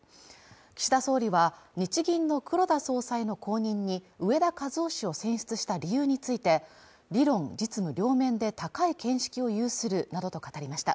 岸田総理は日銀の黒田総裁の後任に植田和男氏を選出した理由について理論・実務両面で高い見識を有するなどと語りました